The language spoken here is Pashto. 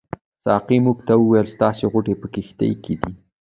ساقي موږ ته وویل ستاسې غوټې په کښتۍ کې دي.